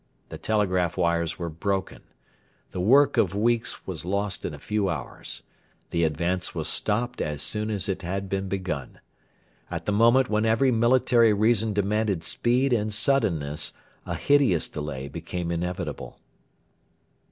The telegraph wires were broken. The work of weeks was lost in a few hours. The advance was stopped as soon as it had been begun. At the moment when every military reason demanded speed and suddenness, a hideous delay became inevitable.